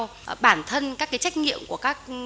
vì vậy bản thân các cái trách nhiệm của các